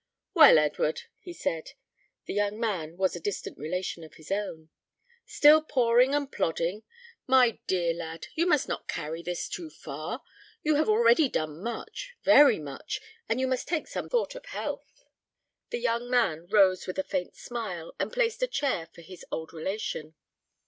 "Well, Edward," he said the young man was a distant relation of his own "still poring and plodding! My dear lad, you must not carry this too far. You have already done much, very much, and you must take some thought of health." The young man rose with a faint smile, and placed a chair for his old relation.